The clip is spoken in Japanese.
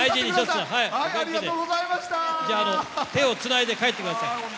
手をつないで帰ってください。